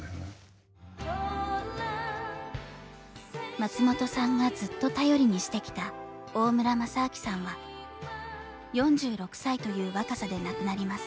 松本さんがずっと頼りにしてきた大村雅朗さんは４６歳という若さで亡くなります。